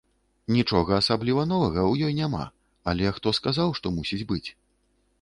Нічога асабліва новага ў ёй няма, але хто сказаў, што мусіць быць?